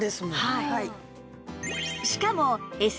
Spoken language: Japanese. はい。